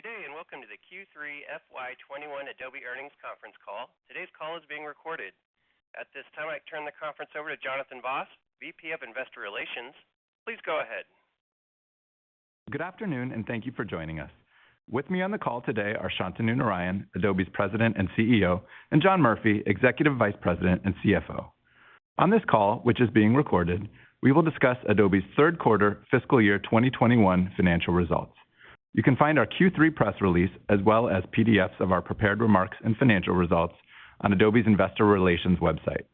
Good day, welcome to the Q3 FY 2021 Adobe earnings conference call. Today's call is being recorded. At this time, I turn the conference over to Jonathan Vaas, VP of Investor Relations. Please go ahead. Good afternoon, and thank you for joining us. With me on the call today are Shantanu Narayen, Adobe's President and CEO, and John Murphy, Executive Vice President and CFO. On this call, which is being recorded, we will discuss Adobe's third quarter fiscal year 2021 financial results. You can find our Q3 press release as well as PDFs of our prepared remarks and financial results on Adobe's Investor Relations website.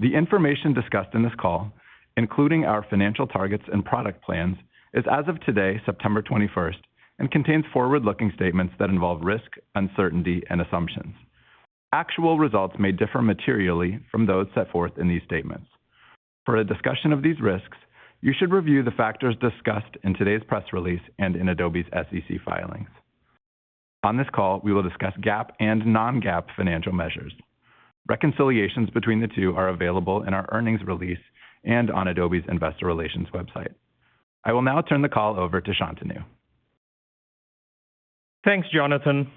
The information discussed in this call, including our financial targets and product plans, is as of today, September 21st, and contains forward-looking statements that involve risk, uncertainty, and assumptions. Actual results may differ materially from those set forth in these statements. For a discussion of these risks, you should review the factors discussed in today's press release and in Adobe's SEC filings. On this call, we will discuss GAAP and non-GAAP financial measures. Reconciliations between the two are available in our earnings release and on Adobe's Investor Relations website. I will now turn the call over to Shantanu. Thanks, Jonathan.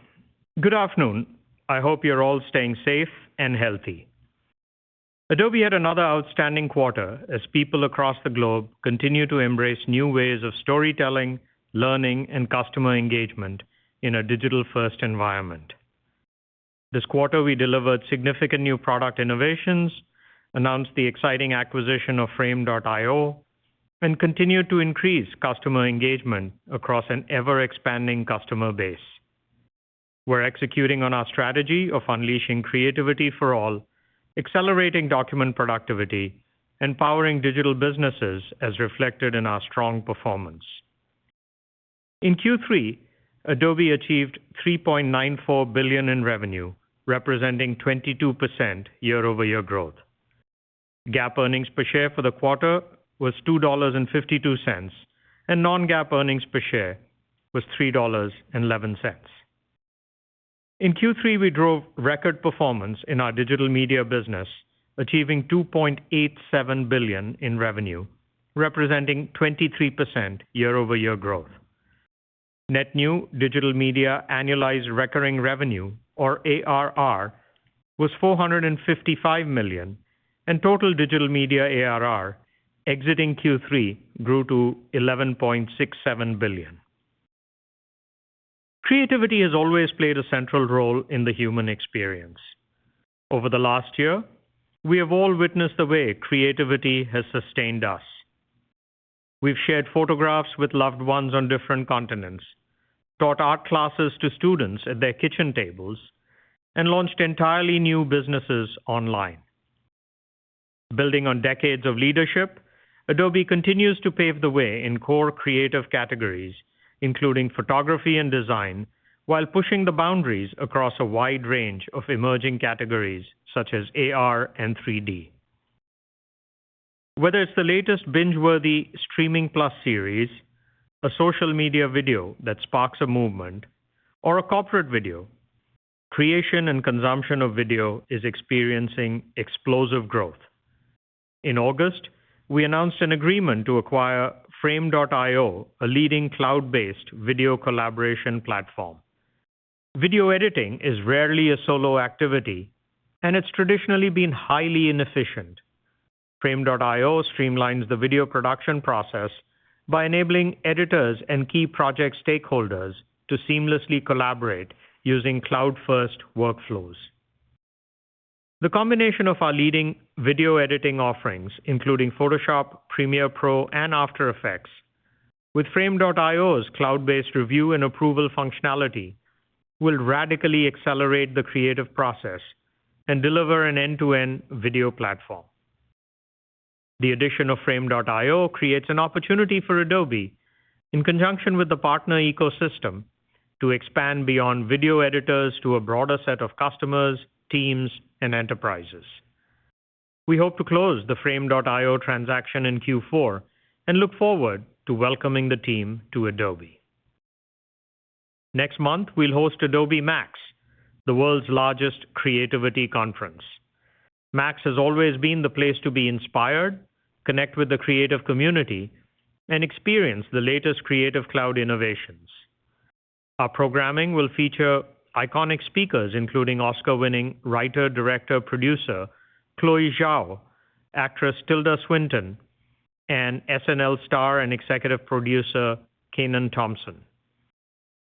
Good afternoon. I hope you're all staying safe and healthy. Adobe had another outstanding quarter as people across the globe continue to embrace new ways of storytelling, learning, and customer engagement in a digital-first environment. This quarter, we delivered significant new product innovations, announced the exciting acquisition of Frame.io, and continued to increase customer engagement across an ever-expanding customer base. We're executing on our strategy of unleashing creativity for all, accelerating document productivity, and powering digital businesses as reflected in our strong performance. In Q3, Adobe achieved $3.94 billion in revenue, representing 22% year-over-year growth. GAAP earnings per share for the quarter was $2.52, and non-GAAP earnings per share was $3.11. In Q3, we drove record performance in our Digital Media business, achieving $2.87 billion in revenue, representing 23% year-over-year growth. Net new Digital Media annualized recurring revenue, or ARR, was $455 million. Total Digital Media ARR exiting Q3 grew to $11.67 billion. Creativity has always played a central role in the human experience. Over the last year, we have all witnessed the way creativity has sustained us. We've shared photographs with loved ones on different continents, taught art classes to students at their kitchen tables, and launched entirely new businesses online. Building on decades of leadership, Adobe continues to pave the way in core creative categories, including photography and design, while pushing the boundaries across a wide range of emerging categories such as AR and 3D. Whether it's the latest binge-worthy streaming+ series, a social media video that sparks a movement, or a corporate video, creation and consumption of video is experiencing explosive growth. In August, we announced an agreement to acquire Frame.io, a leading cloud-based video collaboration platform. Video editing is rarely a solo activity, and it's traditionally been highly inefficient. Frame.io streamlines the video production process by enabling editors and key project stakeholders to seamlessly collaborate using cloud-first workflows. The combination of our leading video editing offerings, including Photoshop, Premiere Pro, and After Effects, with Frame.io's cloud-based review and approval functionality will radically accelerate the creative process and deliver an end-to-end video platform. The addition of Frame.io creates an opportunity for Adobe, in conjunction with the partner ecosystem, to expand beyond video editors to a broader set of customers, teams, and enterprises. We hope to close the Frame.io transaction in Q4 and look forward to welcoming the team to Adobe. Next month, we'll host Adobe MAX, the world's largest creativity conference. MAX has always been the place to be inspired, connect with the creative community, and experience the latest Creative Cloud innovations. Our programming will feature iconic speakers, including Oscar-winning writer, director, producer Chloé Zhao, actress Tilda Swinton, and SNL star and executive producer Kenan Thompson.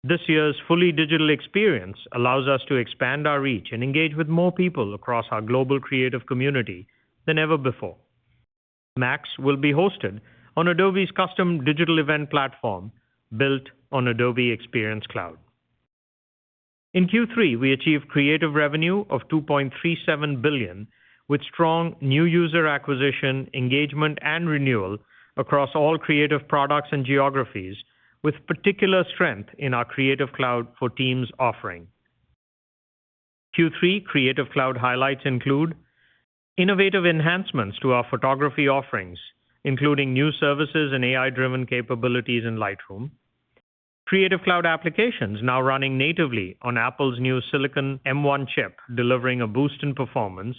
This year's fully digital experience allows us to expand our reach and engage with more people across our global creative community than ever before. Adobe MAX will be hosted on Adobe's custom digital event platform, built on Adobe Experience Cloud. In Q3, we achieved creative revenue of $2.37 billion, with strong new user acquisition, engagement, and renewal across all creative products and geographies, with particular strength in our Creative Cloud for Teams offering. Q3 Creative Cloud highlights include innovative enhancements to our photography offerings, including new services and AI-driven capabilities in Lightroom. Creative Cloud applications now running natively on Apple's new silicon M1 chip, delivering a boost in performance.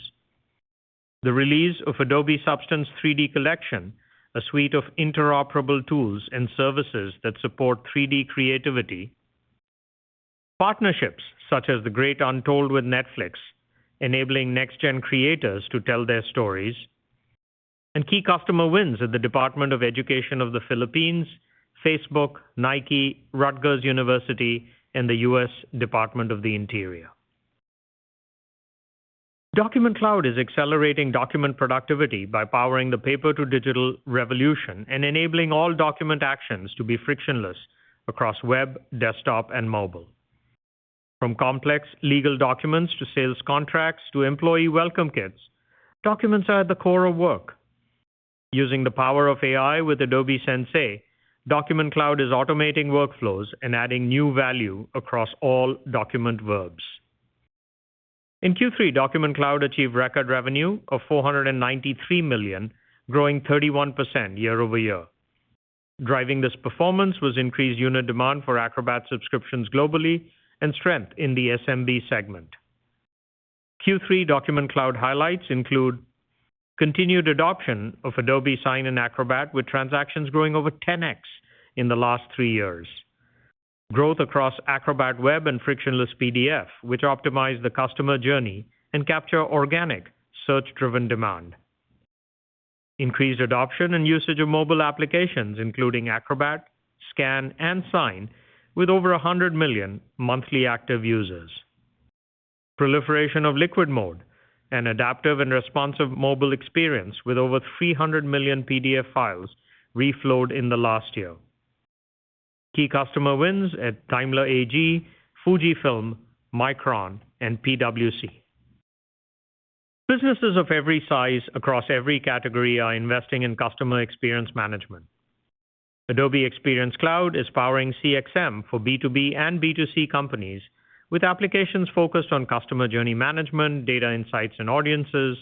The release of Adobe Substance 3D Collection, a suite of interoperable tools and services that support 3D creativity. Partnerships such as The Great Untold with Netflix, enabling next-gen creators to tell their stories, and key customer wins at the Department of Education of the Philippines, Facebook, Nike, Rutgers University, and the U.S. Department of the Interior. Document Cloud is accelerating document productivity by powering the paper to digital revolution and enabling all document actions to be frictionless across web, desktop, and mobile. From complex legal documents to sales contracts to employee welcome kits, documents are at the core of work. Using the power of AI with Adobe Sensei, Document Cloud is automating workflows and adding new value across all document verbs. In Q3, Document Cloud achieved record revenue of $493 million, growing 31% year-over-year. Driving this performance was increased unit demand for Acrobat subscriptions globally and strength in the SMB segment. Q3 Document Cloud highlights include continued adoption of Adobe Sign and Acrobat, with transactions growing over 10x in the last three years. Growth across Acrobat Web and frictionless PDF, which optimize the customer journey and capture organic search-driven demand. Increased adoption and usage of mobile applications, including Acrobat, Scan, and Sign, with over 100 million monthly active users. Proliferation of Liquid Mode, an adaptive and responsive mobile experience with over 300 million PDF files reflowed in the last year. Key customer wins at Daimler AG, Fujifilm, Micron, and PwC. Businesses of every size across every category are investing in customer experience management. Adobe Experience Cloud is powering CXM for B2B and B2C companies, with applications focused on customer journey management, data insights and audiences,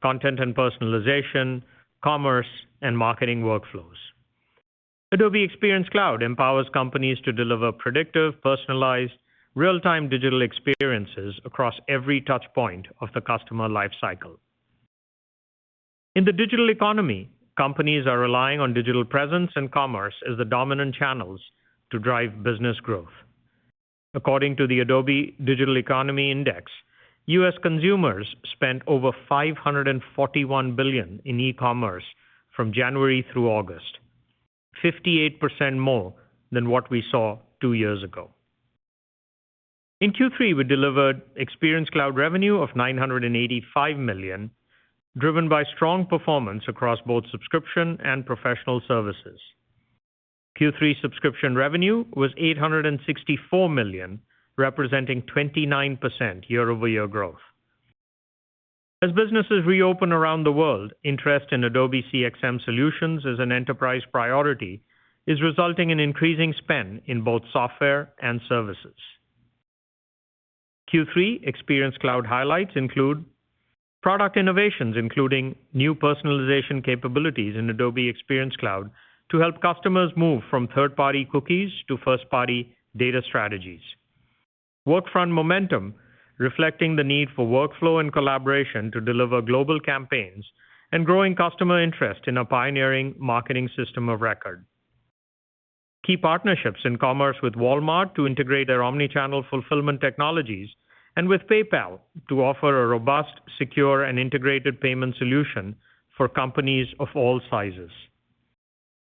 content and personalization, commerce, and marketing workflows. Adobe Experience Cloud empowers companies to deliver predictive, personalized, real-time digital experiences across every touchpoint of the customer life cycle. In the digital economy, companies are relying on digital presence and commerce as the dominant channels to drive business growth. According to the Adobe Digital Economy Index, U.S. consumers spent over $541 billion in e-commerce from January through August, 58% more than what we saw two years ago. In Q3, we delivered Experience Cloud revenue of $985 million, driven by strong performance across both subscription and professional services. Q3 subscription revenue was $864 million, representing 29% year-over-year growth. As businesses reopen around the world, interest in Adobe CXM solutions as an enterprise priority is resulting in increasing spend in both software and services. Q3 Experience Cloud highlights include product innovations, including new personalization capabilities in Adobe Experience Cloud to help customers move from third-party cookies to first-party data strategies. Workfront momentum, reflecting the need for workflow and collaboration to deliver global campaigns and growing customer interest in a pioneering marketing system of record. Key partnerships in commerce with Walmart to integrate their omnichannel fulfillment technologies, and with PayPal to offer a robust, secure, and integrated payment solution for companies of all sizes.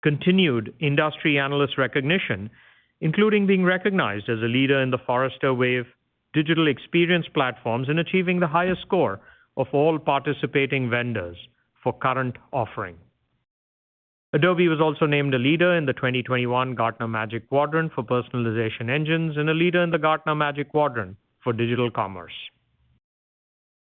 Continued industry analyst recognition, including being recognized as a leader in the Forrester Wave: Digital Experience Platforms, and achieving the highest score of all participating vendors for current offering. Adobe was also named a leader in the 2021 Gartner Magic Quadrant for Personalization Engines and a leader in the Gartner Magic Quadrant for Digital Commerce.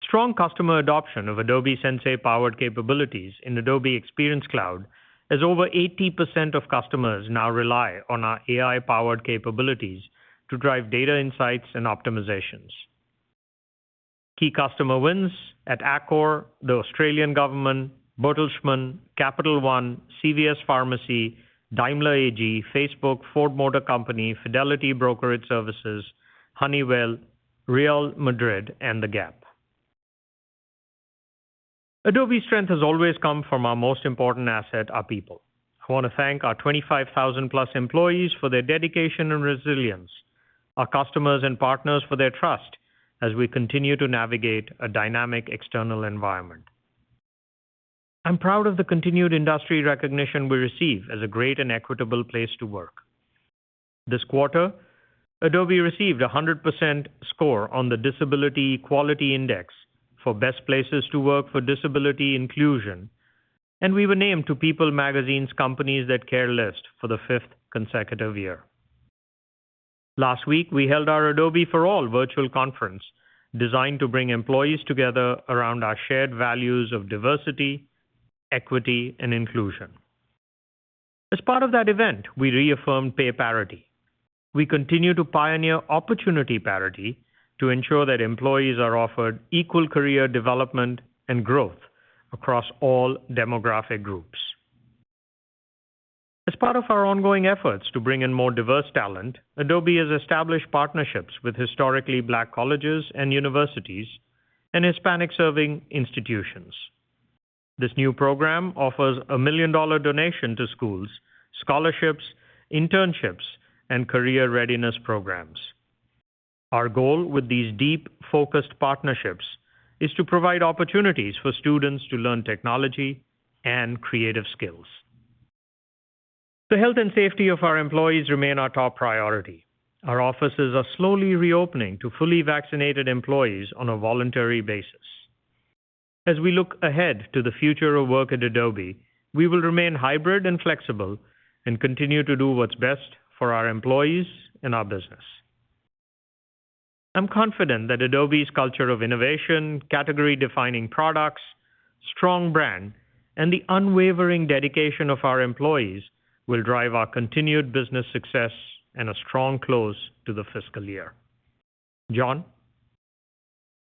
Strong customer adoption of Adobe Sensei-powered capabilities in Adobe Experience Cloud, as over 80% of customers now rely on our AI-powered capabilities to drive data insights and optimizations. Key customer wins at Accor, the Australian Government, Bertelsmann, Capital One, CVS Pharmacy, Daimler AG, Facebook, Ford Motor Company, Fidelity Brokerage Services, Honeywell, Real Madrid, and The Gap. Adobe's strength has always come from our most important asset, our people. I want to thank our 25,000+ employees for their dedication and resilience, our customers and partners for their trust as we continue to navigate a dynamic external environment. I'm proud of the continued industry recognition we receive as a great and equitable place to work. This quarter, Adobe received a 100% score on the Disability Equality Index for Best Places to Work for Disability Inclusion, and we were named to People magazine's Companies That Care list for the fifth consecutive year. Last week, we held our Adobe For All virtual conference, designed to bring employees together around our shared values of diversity, equity, and inclusion. As part of that event, we reaffirmed pay parity. We continue to pioneer opportunity parity to ensure that employees are offered equal career development and growth across all demographic groups. As part of our ongoing efforts to bring in more diverse talent, Adobe has established partnerships with Historically Black Colleges and Universities and Hispanic-Serving Institutions. This new program offers a million-dollar donation to schools, scholarships, internships, and career readiness programs. Our goal with these deep, focused partnerships is to provide opportunities for students to learn technology and creative skills. The health and safety of our employees remain our top priority. Our offices are slowly reopening to fully vaccinated employees on a voluntary basis. As we look ahead to the future of work at Adobe, we will remain hybrid and flexible and continue to do what's best for our employees and our business. I'm confident that Adobe's culture of innovation, category-defining products, strong brand, and the unwavering dedication of our employees will drive our continued business success and a strong close to the fiscal year. John?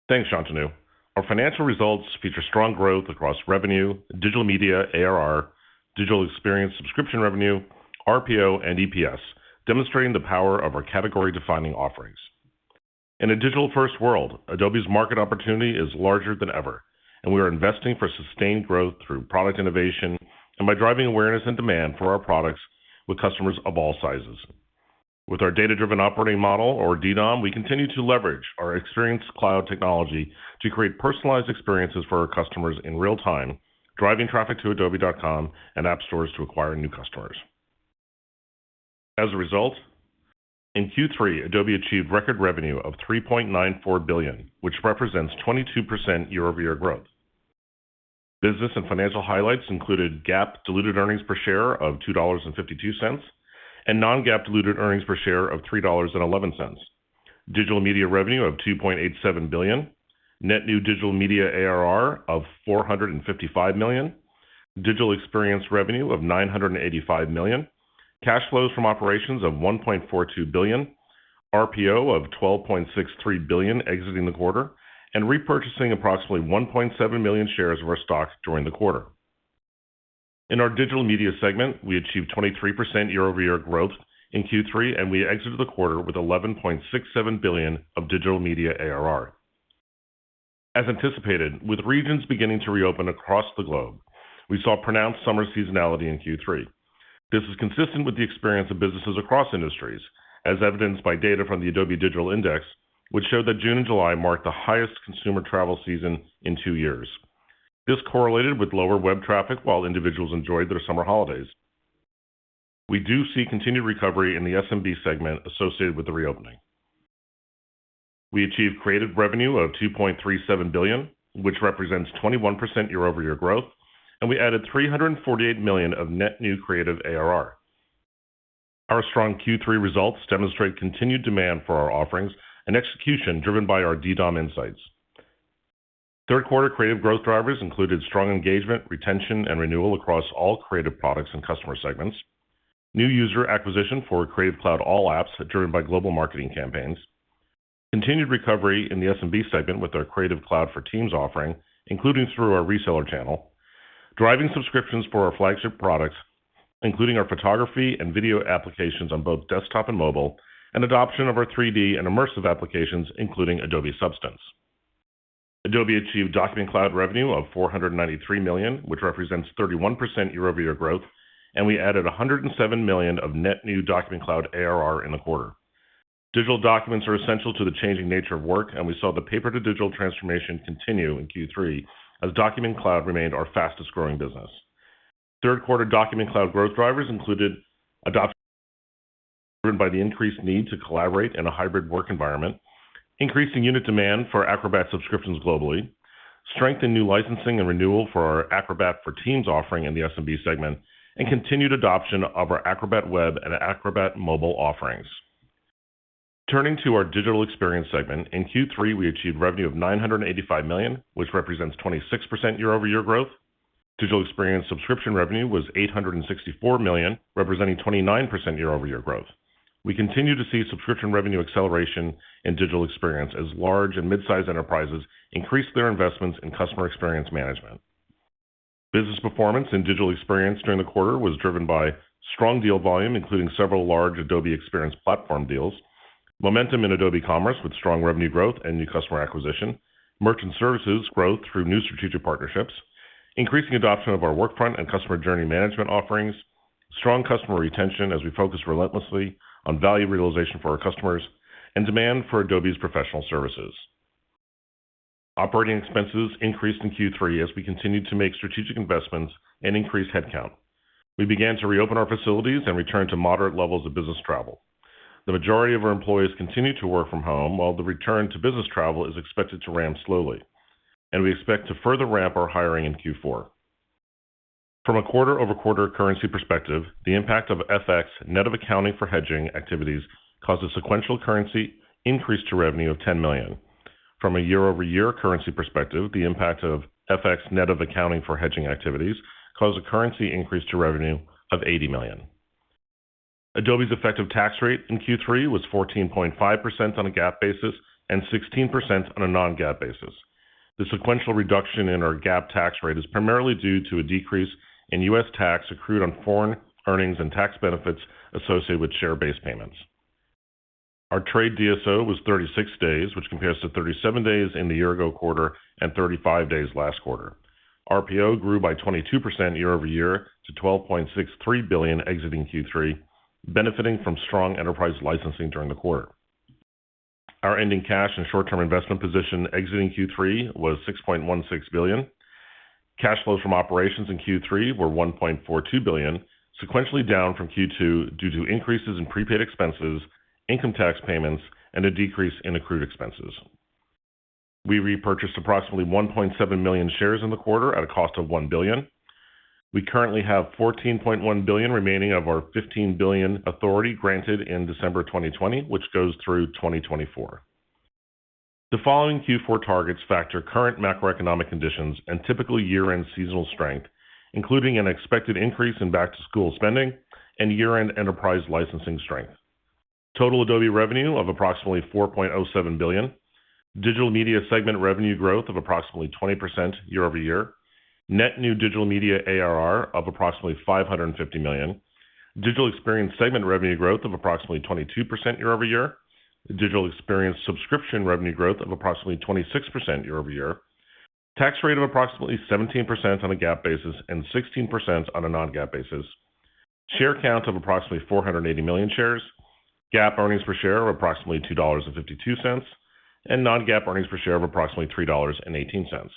Thanks, Shantanu. Our financial results feature strong growth across revenue, Digital Media ARR, Digital Experience subscription revenue, RPO, and EPS, demonstrating the power of our category-defining offerings. In a digital-first world, Adobe's market opportunity is larger than ever, and we are investing for sustained growth through product innovation and by driving awareness and demand for our products with customers of all sizes. With our data-driven operating model, or DDOM, we continue to leverage our Experience Cloud technology to create personalized experiences for our customers in real time, driving traffic to adobe.com and app stores to acquire new customers. As a result, in Q3, Adobe achieved record revenue of $3.94 billion, which represents 22% year-over-year growth. Business and financial highlights included GAAP diluted earnings per share of $2.52, and non-GAAP diluted earnings per share of $3.11, Digital Media revenue of $2.87 billion, net new Digital Media ARR of $455 million, Digital Experience revenue of $985 million, cash flows from operations of $1.42 billion, RPO of $12.63 billion exiting the quarter, and repurchasing approximately 1.7 million shares of our stock during the quarter. In our Digital Media segment, we achieved 23% year-over-year growth in Q3, and we exited the quarter with $11.67 billion of Digital Media ARR. As anticipated, with regions beginning to reopen across the globe, we saw pronounced summer seasonality in Q3. This is consistent with the experience of businesses across industries, as evidenced by data from the Adobe Digital Economy Index, which showed that June and July marked the highest consumer travel season in two years. This correlated with lower web traffic while individuals enjoyed their summer holidays. We do see continued recovery in the SMB segment associated with the reopening. We achieved Creative revenue of $2.37 billion, which represents 21% year-over-year growth, and we added $348 million of net new Creative ARR. Our strong Q3 results demonstrate continued demand for our offerings and execution driven by our DDOM insights. Third quarter Creative growth drivers included strong engagement, retention, and renewal across all Creative products and customer segments, new user acquisition for Creative Cloud All Apps driven by global marketing campaigns, continued recovery in the SMB segment with our Creative Cloud for Teams offering, including through our reseller channel, driving subscriptions for our flagship products, including our photography and video applications on both desktop and mobile, and adoption of our 3D and immersive applications, including Adobe Substance. Adobe achieved Document Cloud revenue of $493 million, which represents 31% year-over-year growth, and we added $107 million of net new Document Cloud ARR in the quarter. Digital documents are essential to the changing nature of work, and we saw the paper to digital transformation continue in Q3 as Document Cloud remained our fastest-growing business. Third quarter Document Cloud growth drivers included adoption driven by the increased need to collaborate in a hybrid work environment, increasing unit demand for Acrobat subscriptions globally, strength in new licensing and renewal for our Acrobat for Teams offering in the SMB segment, and continued adoption of our Acrobat Web and Acrobat mobile offerings. Turning to our Digital Experience segment, in Q3, we achieved revenue of $985 million, which represents 26% year-over-year growth. Digital Experience subscription revenue was $864 million, representing 29% year-over-year growth. We continue to see subscription revenue acceleration in Digital Experience as large and mid-size enterprises increase their investments in customer experience management. Business performance in Digital Experience during the quarter was driven by strong deal volume, including several large Adobe Experience Platform deals, momentum in Adobe Commerce with strong revenue growth and new customer acquisition, Merchant Services growth through new strategic partnerships, increasing adoption of our Workfront and customer journey management offerings, strong customer retention as we focus relentlessly on value realization for our customers, and demand for Adobe's professional services. Operating expenses increased in Q3 as we continued to make strategic investments and increase headcount. We began to reopen our facilities and return to moderate levels of business travel. The majority of our employees continued to work from home while the return to business travel is expected to ramp slowly, and we expect to further ramp our hiring in Q4. From a quarter-over-quarter currency perspective, the impact of FX net of accounting for hedging activities caused a sequential currency increase to revenue of $10 million. From a year-over-year currency perspective, the impact of FX net of accounting for hedging activities caused a currency increase to revenue of $80 million. Adobe's effective tax rate in Q3 was 14.5% on a GAAP basis and 16% on a non-GAAP basis. The sequential reduction in our GAAP tax rate is primarily due to a decrease in US tax accrued on foreign earnings and tax benefits associated with share-based payments. Our trade DSO was 36 days, which compares to 37 days in the year-ago quarter and 35 days last quarter. RPO grew by 22% year-over-year to $12.63 billion exiting Q3, benefiting from strong enterprise licensing during the quarter. Our ending cash and short-term investment position exiting Q3 was $6.16 billion. Cash flows from operations in Q3 were $1.42 billion, sequentially down from Q2 due to increases in prepaid expenses, income tax payments, and a decrease in accrued expenses. We repurchased approximately 1.7 million shares in the quarter at a cost of $1 billion. We currently have $14.1 billion remaining of our $15 billion authority granted in December 2020, which goes through 2024. The following Q4 targets factor current macroeconomic conditions and typical year-end seasonal strength, including an expected increase in back-to-school spending and year-end enterprise licensing strength. Total Adobe revenue of approximately $4.07 billion. Digital Media segment revenue growth of approximately 20% year-over-year. Net new Digital Media ARR of approximately $550 million. Digital Experience segment revenue growth of approximately 22% year-over-year. Digital Experience subscription revenue growth of approximately 26% year-over-year. Tax rate of approximately 17% on a GAAP basis and 16% on a non-GAAP basis. Share count of approximately 480 million shares. GAAP earnings per share of approximately $2.52. Non-GAAP earnings per share of approximately $3.18.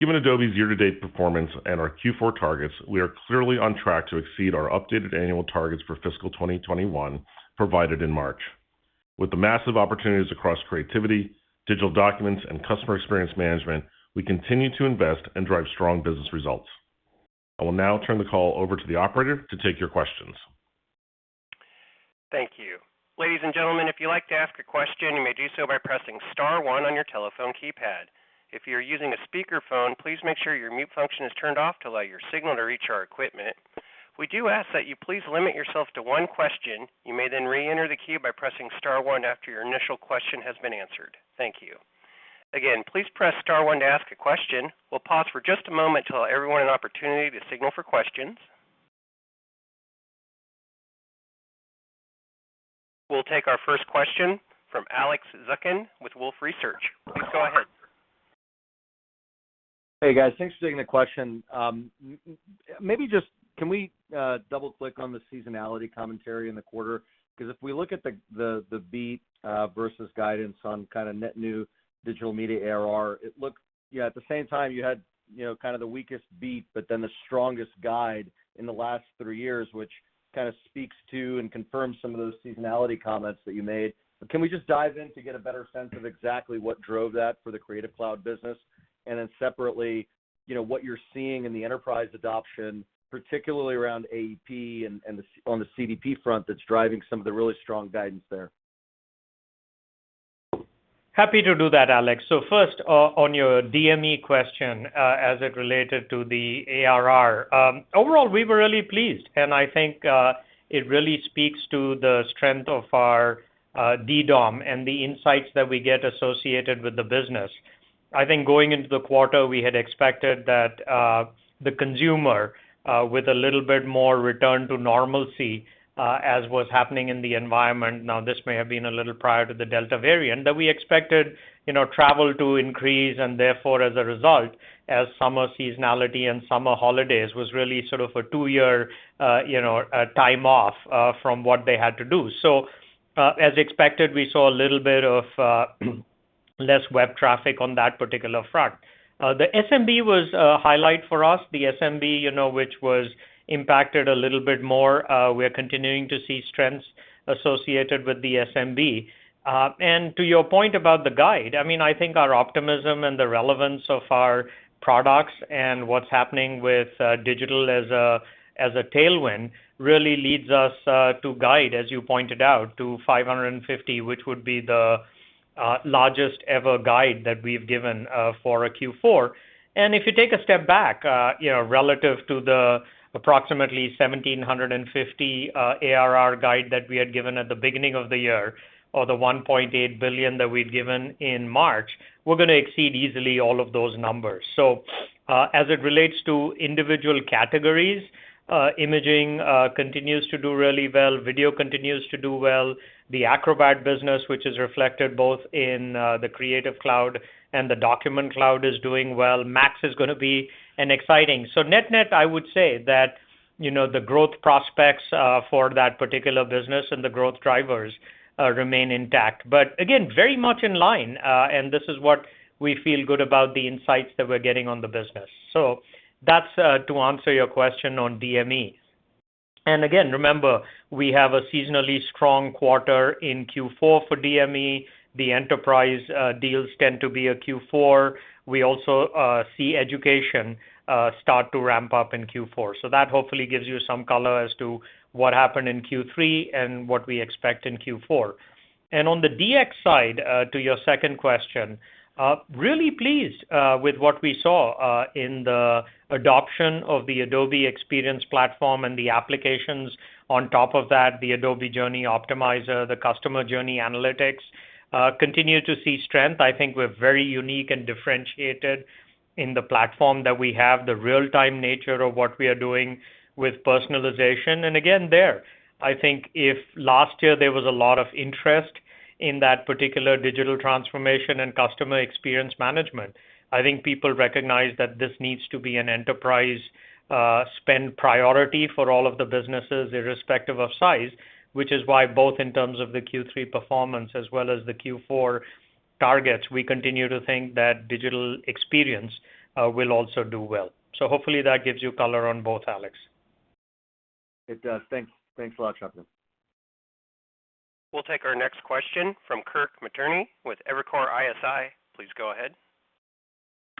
Given Adobe's year-to-date performance and our Q4 targets, we are clearly on track to exceed our updated annual targets for fiscal 2021 provided in March. With the massive opportunities across creativity, digital documents, and customer experience management, we continue to invest and drive strong business results. I will now turn the call over to the operator to take your questions. We'll take our first question from Alex Zukin with Wolfe Research. Please go ahead. Hey, guys. Thanks for taking the question. Can we double-click on the seasonality commentary in the quarter? If we look at the beat versus guidance on kind of net new Digital Media ARR, at the same time, you had kind of the weakest beat, the strongest guide in the last three years, which kind of speaks to and confirms some of those seasonality comments that you made. Can we just dive in to get a better sense of exactly what drove that for the Creative Cloud business? Separately, what you're seeing in the enterprise adoption, particularly around AEP and on the CDP front, that's driving some of the really strong guidance there. Happy to do that, Alex. First, on your DME question, as it related to the ARR. Overall, we were really pleased, and I think it really speaks to the strength of our DDOM and the insights that we get associated with the business. I think going into the quarter, we had expected that the consumer, with a little bit more return to normalcy, as was happening in the environment, now this may have been a little prior to the Delta variant, that we expected travel to increase and therefore as a result, as summer seasonality and summer holidays was really sort of a two-year time off from what they had to do. As expected, we saw a little bit of less web traffic on that particular front. The SMB was a highlight for us. The SMB, which was impacted a little bit more, we're continuing to see strengths associated with the SMB. To your point about the guide, I think our optimism and the relevance of our products and what's happening with digital as a tailwind really leads us to guide, as you pointed out, to $550, which would be the largest ever guide that we've given for a Q4. If you take a step back, relative to the approximately $1,750 ARR guide that we had given at the beginning of the year, or the $1.8 billion that we'd given in March, we're going to exceed easily all of those numbers. As it relates to individual categories, imaging continues to do really well. Video continues to do well. The Acrobat business, which is reflected both in the Creative Cloud and the Document Cloud, is doing well. MAX is going to be exciting. Net-net, I would say that the growth prospects for that particular business and the growth drivers remain intact, but again, very much in line, and this is what we feel good about the insights that we're getting on the business. That's to answer your question on DME. Remember, we have a seasonally strong quarter in Q4 for DME. The enterprise deals tend to be a Q4. We also see education start to ramp up in Q4. That hopefully gives you some color as to what happened in Q3 and what we expect in Q4. On the DX side, to your second question, really pleased with what we saw in the adoption of the Adobe Experience Platform and the applications on top of that, the Adobe Journey Optimizer, the Customer Journey Analytics, continue to see strength. I think we're very unique and differentiated in the platform that we have, the real-time nature of what we are doing with personalization. Again, there, I think if last year there was a lot of interest in that particular digital transformation and customer experience management, I think people recognize that this needs to be an enterprise spend priority for all of the businesses, irrespective of size, which is why both in terms of the Q3 performance as well as the Q4 targets, we continue to think that digital experience will also do well. Hopefully that gives you color on both, Alex. It does. Thanks a lot, Shantanu. We'll take our next question from Kirk Materne with Evercore ISI. Please go ahead.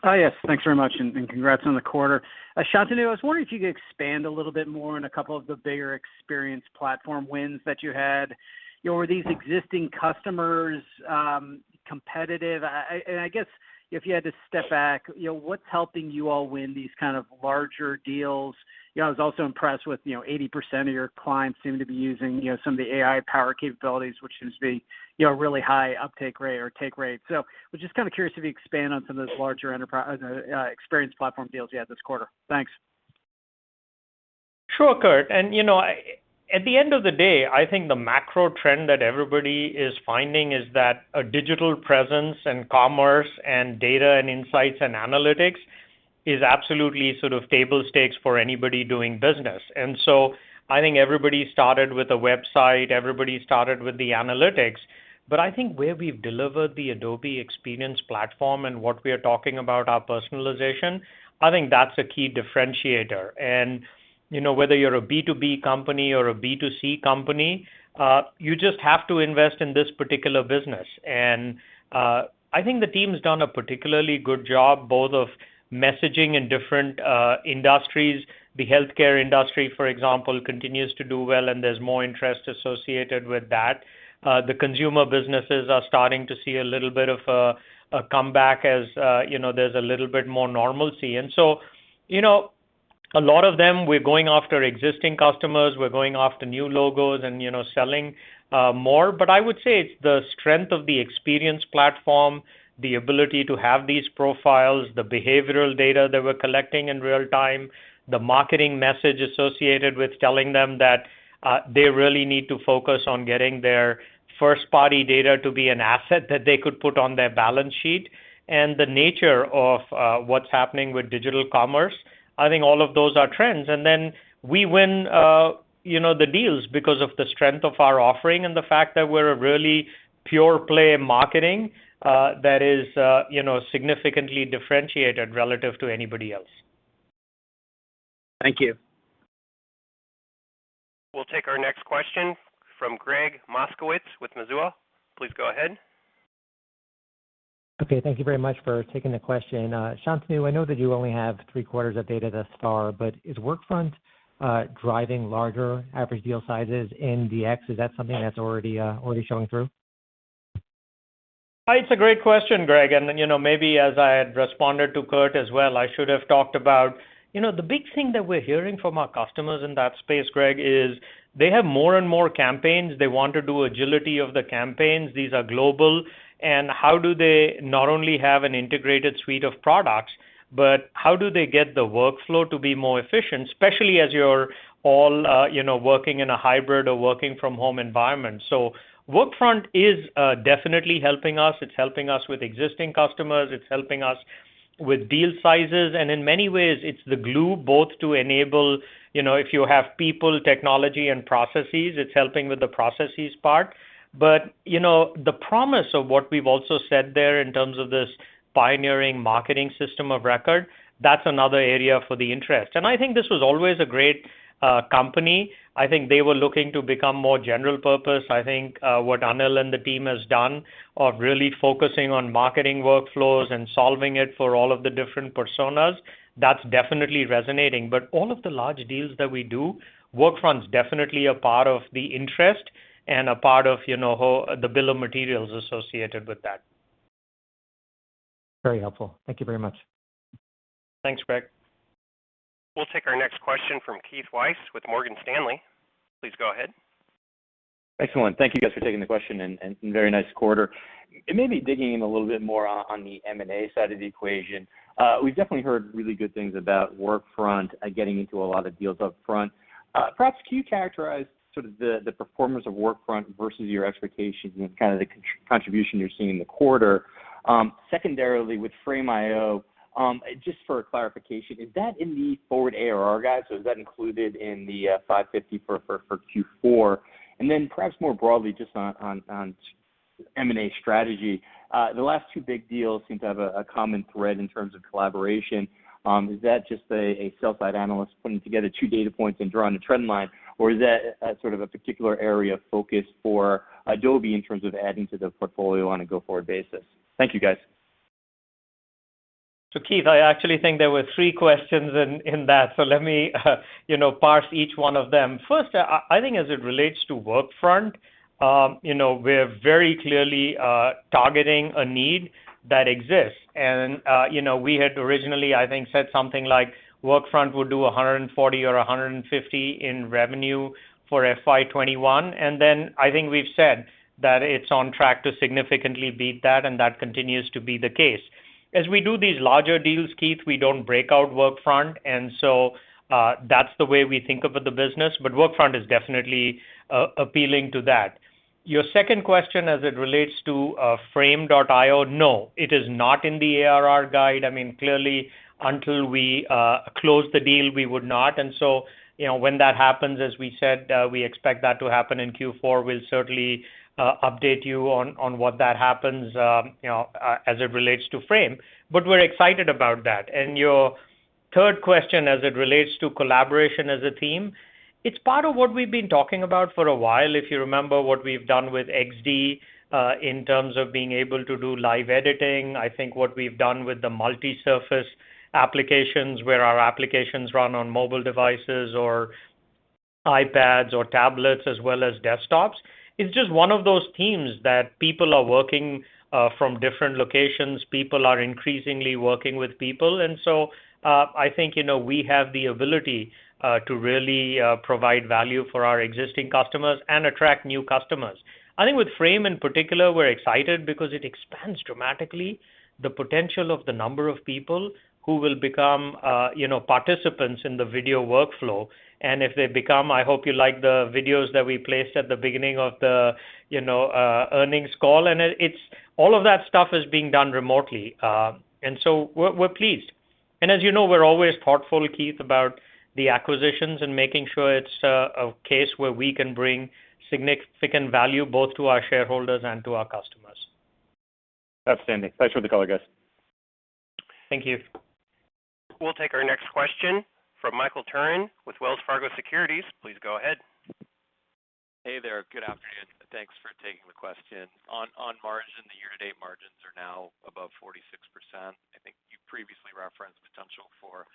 Yes. Thanks very much, and congrats on the quarter. Shantanu, I was wondering if you could expand a little bit more on a couple of the bigger Experience Platform wins that you had. Were these existing customers competitive? I guess if you had to step back, what's helping you all win these kind of larger deals? I was also impressed with 80% of your clients seem to be using some of the AI power capabilities, which seems to be a really high uptake rate or take rate. Was just kind of curious if you expand on some of those larger Experience Platform deals you had this quarter. Thanks. Sure, Kirk, at the end of the day, I think the macro trend that everybody is finding is that a digital presence in commerce and data and insights and analytics is absolutely sort of table stakes for anybody doing business. I think everybody started with a website, everybody started with the analytics, but I think where we've delivered the Adobe Experience Platform and what we are talking about, our personalization, I think that's a key differentiator. Whether you're a B2B company or a B2C company, you just have to invest in this particular business. I think the team's done a particularly good job both of messaging in different industries. The healthcare industry, for example, continues to do well, and there's more interest associated with that. The consumer businesses are starting to see a little bit of a comeback as there's a little bit more normalcy. A lot of them, we're going after existing customers, we're going after new logos and selling more. I would say it's the strength of the Experience Platform, the ability to have these profiles, the behavioral data that we're collecting in real time, the marketing message associated with telling them that they really need to focus on getting their first-party data to be an asset that they could put on their balance sheet, and the nature of what's happening with digital commerce. I think all of those are trends. We win the deals because of the strength of our offering and the fact that we're a really pure play marketing, that is significantly differentiated relative to anybody else. Thank you. We'll take our next question from Gregg Moskowitz with Mizuho. Please go ahead. Okay. Thank you very much for taking the question. Shantanu, I know that you only have three quarters of data thus far, but is Workfront driving larger average deal sizes in DX? Is that something that's already showing through? It's a great question, Gregg Moskowitz. Then maybe as I had responded to Kirk Materne as well, I should have talked about the big thing that we're hearing from our customers in that space, Gregg Moskowitz, is they have more and more campaigns. They want to do agility of the campaigns. These are global. How do they not only have an integrated suite of products, but how do they get the workflow to be more efficient? Especially as you're all working in a hybrid or working from home environment. Adobe Workfront is definitely helping us. It's helping us with existing customers. It's helping us with deal sizes. In many ways, it's the glue both to enable, if you have people, technology, and processes, it's helping with the processes part. The promise of what we've also said there in terms of this pioneering marketing system of record, that's another area for the interest. I think this was always a great company. I think they were looking to become more general purpose. I think what Anil and the team has done of really focusing on marketing workflows and solving it for all of the different personas, that's definitely resonating. All of the large deals that we do, Workfront's definitely a part of the interest and a part of the bill of materials associated with that. Very helpful. Thank you very much. Thanks, Gregg. We'll take our next question from Keith Weiss with Morgan Stanley. Please go ahead. Excellent. Thank you guys for taking the question, very nice quarter. Maybe digging in a little bit more on the M&A side of the equation. We've definitely heard really good things about Workfront getting into a lot of deals up front. Perhaps could you characterize sort of the performance of Workfront versus your expectations and kind of the contribution you're seeing in the quarter? Secondarily, with Frame.io, just for clarification, is that in the forward ARR guide? Is that included in the $550 for Q4? Perhaps more broadly, just on M&A strategy. The last two big deals seem to have a common thread in terms of collaboration. Is that just a sell-side analyst putting together two data points and drawing a trend line, or is that a particular area of focus for Adobe in terms of adding to the portfolio on a go-forward basis? Thank you, guys. Keith, I actually think there were 3 questions in that, so let me parse each 1 of them. First, I think as it relates to Workfront, we're very clearly targeting a need that exists. We had originally, I think, said something like Workfront will do $140 million or $150 million in revenue for FY 2021, and then I think we've said that it's on track to significantly beat that, and that continues to be the case. As we do these larger deals, Keith, we don't break out Workfront, and so that's the way we think about the business. Workfront is definitely appealing to that. Your second question as it relates to Frame.io, no, it is not in the ARR guide. Clearly, until we close the deal, we would not. When that happens, as we said, we expect that to happen in Q4, we'll certainly update you on what that happens as it relates to Frame. We're excited about that. Your third question as it relates to collaboration as a theme, it's part of what we've been talking about for a while. If you remember what we've done with XD, in terms of being able to do live editing, I think what we've done with the multi-surface applications where our applications run on mobile devices or iPads or tablets as well as desktops. It's just one of those themes that people are working from different locations, people are increasingly working with people. I think, we have the ability to really provide value for our existing customers and attract new customers. I think with Frame.io in particular, we're excited because it expands dramatically the potential of the number of people who will become participants in the video workflow. If they become, I hope you like the videos that we placed at the beginning of the earnings call. All of that stuff is being done remotely. So we're pleased. As you know, we're always thoughtful, Keith Weiss, about the acquisitions and making sure it's a case where we can bring significant value both to our shareholders and to our customers. Outstanding. Thanks for the color, guys. Thank you. We'll take our next question from Michael Turrin with Wells Fargo Securities. Please go ahead. Hey there. Good afternoon. Thanks for taking the question. On margin, the year-to-date margins are now above 46%. I think you previously referenced potential for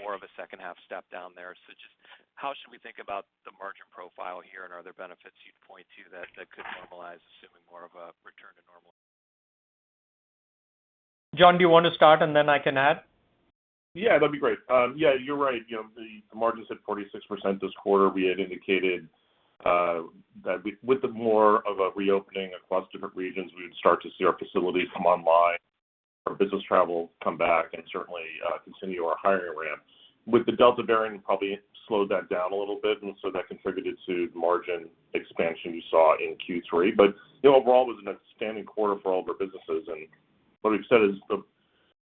more of a second half step down there. Just how should we think about the margin profile here, and are there benefits you'd point to that could normalize, assuming more of a return to normal? John, do you want to start and then I can add? Yeah, that'd be great. Yeah, you're right. The margin's at 46% this quarter. We had indicated that with the more of a reopening across different regions, we would start to see our facilities come online, our business travel come back, and certainly continue our hiring ramp. With the Delta variant, it probably slowed that down a little bit, that contributed to margin expansion you saw in Q3. Overall, it was an outstanding quarter for all of our businesses. What we've said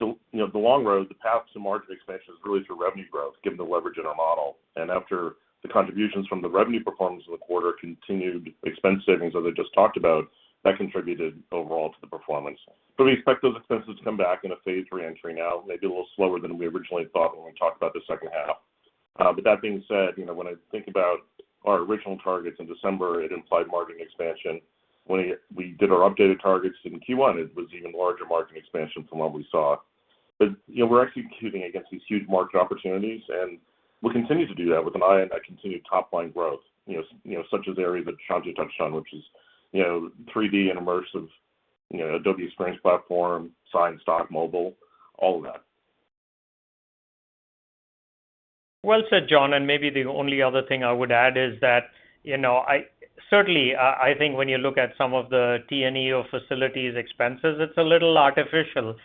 is the long road, the path to margin expansion is really through revenue growth, given the leverage in our model. After the contributions from the revenue performance of the quarter, continued expense savings, as I just talked about, that contributed overall to the performance. We expect those expenses to come back in a phased reentry now, maybe a little slower than we originally thought when we talked about the second half. That being said, when I think about our original targets in December, it implied margin expansion. When we did our updated targets in Q1, it was even larger margin expansion from what we saw. We're executing against these huge margin opportunities, and we'll continue to do that with an eye on that continued top-line growth, such as the area that Shantanu touched on, which is 3D and immersive, Adobe Experience Platform, Sign, Stock, mobile, all of that. Well said, John. Maybe the only other thing I would add is that, certainly, I think when you look at some of the T&E or facilities expenses, it's a little artificial,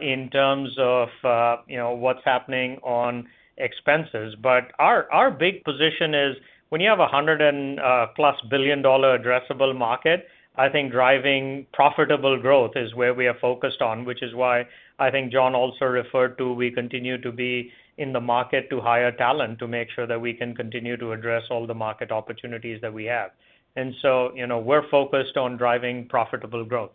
in terms of what's happening on expenses. Our big position is when you have $100+ billion addressable market, I think driving profitable growth is where we are focused on, which is why I think John also referred to, we continue to be in the market to hire talent to make sure that we can continue to address all the market opportunities that we have. We're focused on driving profitable growth.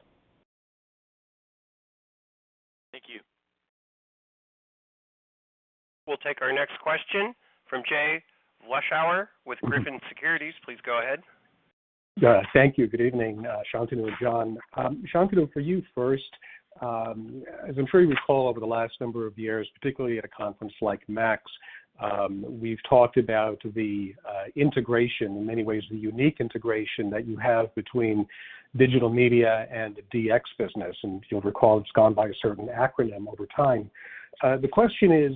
Thank you. We'll take our next question from Jay Vleeschhouwer with Griffin Securities. Please go ahead. Yeah. Thank you. Good evening, Shantanu and John. Shantanu, for you first, as I'm sure you recall over the last number of years, particularly at a conference like MAX, we've talked about the integration, in many ways, the unique integration that you have between Digital Media and the DX business, and you'll recall it's gone by a certain acronym over time. The question is,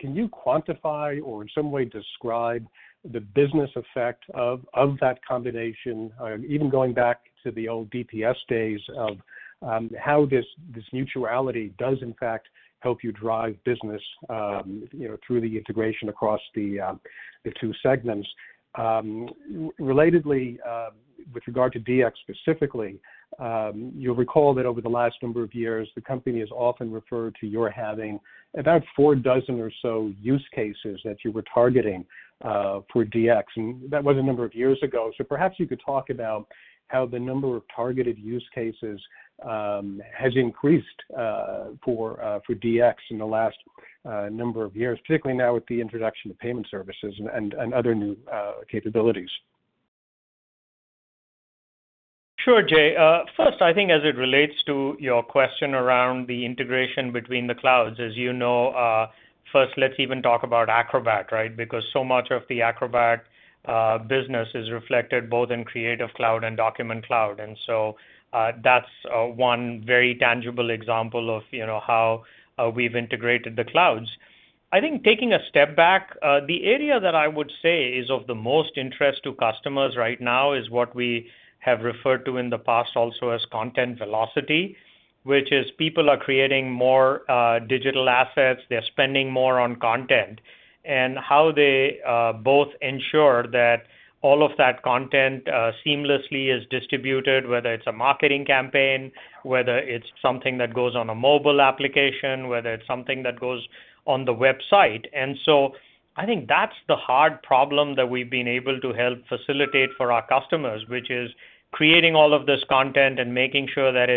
can you quantify or in some way describe the business effect of that combination, even going back to the old DPS days of how this mutuality does in fact help you drive business through the integration across the two segments? Relatedly, with regard to DX specifically, you'll recall that over the last number of years, the company has often referred to your having about four dozen or so use cases that you were targeting, for DX, and that was a number of years ago. Perhaps you could talk about how the number of targeted use cases has increased for DX in the last number of years, particularly now with the introduction of Payment Services and other new capabilities. Sure, Jay. First, I think as it relates to your question around the integration between the clouds, as you know, first let's even talk about Acrobat, right? Because so much of the Acrobat business is reflected both in Creative Cloud and Document Cloud. That's one very tangible example of how we've integrated the clouds. I think taking a step back, the area that I would say is of the most interest to customers right now is what we have referred to in the past also as content velocity, which is people are creating more digital assets. They're spending more on content, and how they both ensure that all of that content seamlessly is distributed, whether it's a marketing campaign, whether it's something that goes on a mobile application, whether it's something that goes on the website. I think that's the hard problem that we've been able to help facilitate for our customers, which is creating all of this content and making sure that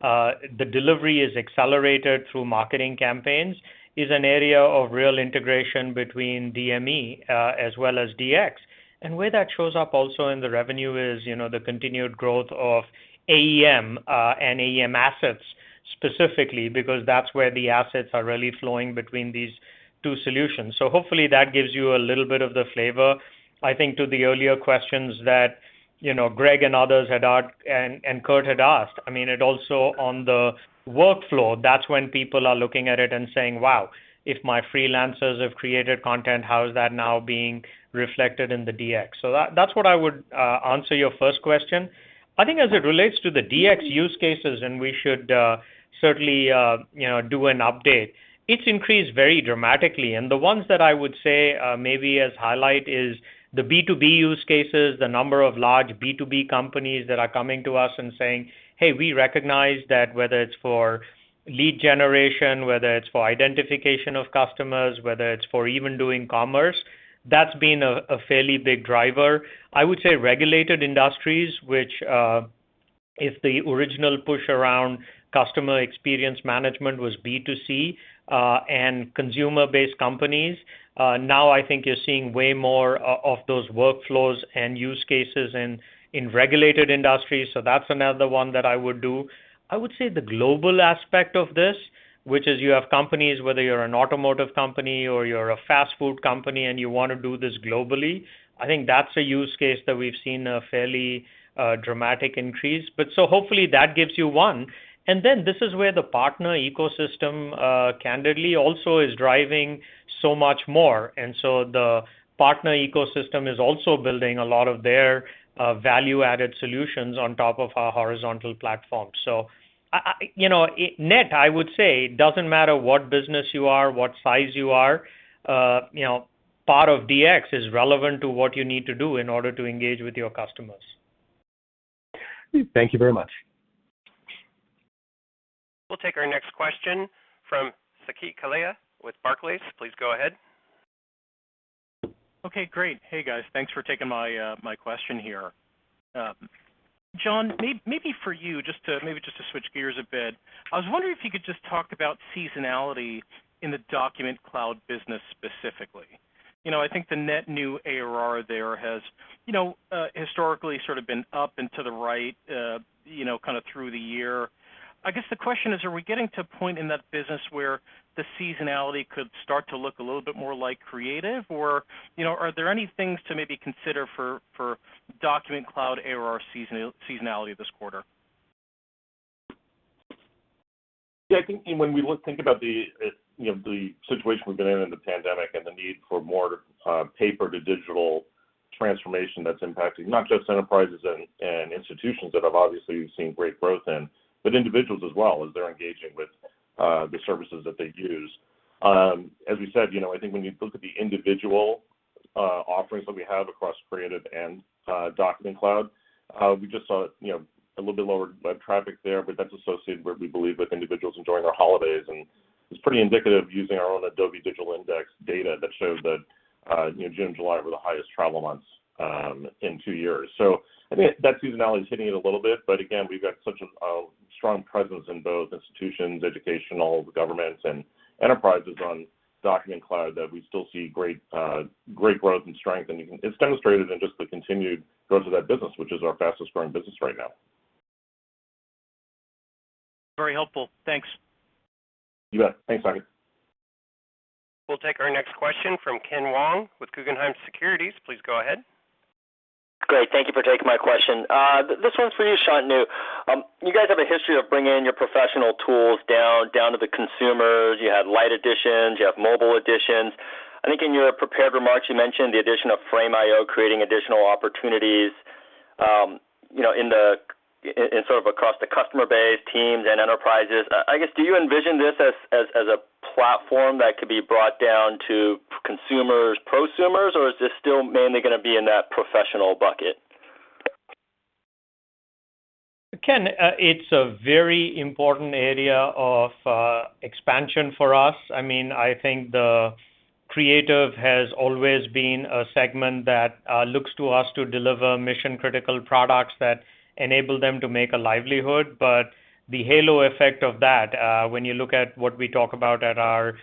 the delivery is accelerated through marketing campaigns, is an area of real integration between DME as well as DX. Where that shows up also in the revenue is the continued growth of AEM and AEM Assets specifically, because that's where the assets are really flowing between these two solutions. Hopefully that gives you a little bit of the flavor. I think to the earlier questions that Gregg and others and Kirk had asked, it also on the workflow, that's when people are looking at it and saying, "Wow, if my freelancers have created content, how is that now being reflected in the DX?" That's what I would answer your first question. I think as it relates to the DX use cases, we should certainly do an update, it's increased very dramatically. The ones that I would say maybe as highlight is the B2B use cases, the number of large B2B companies that are coming to us and saying, "Hey, we recognize that whether it's for lead generation, whether it's for identification of customers, whether it's for even doing commerce," that's been a fairly big driver. I would say regulated industries, which if the original push around customer experience management was B2C and consumer-based companies, now I think you're seeing way more of those workflows and use cases in regulated industries. That's another one that I would do. I would say the global aspect of this, which is you have companies, whether you're an automotive company or you're a fast food company and you want to do this globally, I think that's a use case that we've seen a fairly dramatic increase. Hopefully that gives you one. This is where the partner ecosystem, candidly, also is driving so much more. The partner ecosystem is also building a lot of their value-added solutions on top of our horizontal platform. Net, I would say, it doesn't matter what business you are, what size you are, part of DX is relevant to what you need to do in order to engage with your customers. Thank you very much. We'll take our next question from Saket Kalia with Barclays. Please go ahead. Okay, great. Hey, guys. Thanks for taking my question here. John, maybe for you, just to switch gears a bit. I was wondering if you could just talk about seasonality in the Document Cloud business specifically. I think the net new ARR there has historically sort of been up and to the right kind of through the year. I guess the question is, are we getting to a point in that business where the seasonality could start to look a little bit more like Creative, or are there any things to maybe consider for Document Cloud ARR seasonality this quarter? Yeah, I think when we think about the situation we've been in the pandemic and the need for more paper-to-digital transformation that's impacting not just enterprises and institutions that have obviously seen great growth in, but individuals as well as they're engaging with the services that they use. As we said, I think when you look at the individual offerings that we have across Creative Cloud and Document Cloud, we just saw a little bit lower web traffic there, but that's associated where we believe with individuals enjoying their holidays, and it's pretty indicative of using our own Adobe Digital Index data that shows that June and July were the highest travel months in two years. I think that seasonality is hitting it a little bit. Again, we've got such a strong presence in both institutions, educational, governments, and enterprises on Document Cloud that we still see great growth and strength. It's demonstrated in just the continued growth of that business, which is our fastest growing business right now. Very helpful. Thanks. You bet. Thanks, Saket. We'll take our next question from Ken Wong with Guggenheim Securities. Please go ahead. Great. Thank you for taking my question. This one's for you, Shantanu. You guys have a history of bringing your professional tools down to the consumers. You have light editions, you have mobile editions. I think in your prepared remarks, you mentioned the addition of Frame.io creating additional opportunities in sort of across the customer base, teams, and enterprises. I guess, do you envision this as a platform that could be brought down to consumers, prosumers, or is this still mainly going to be in that professional bucket? Ken, it's a very important area of expansion for us. I think Creative has always been a segment that looks to us to deliver mission-critical products that enable them to make a livelihood. The halo effect of that, when you look at what we talk about at our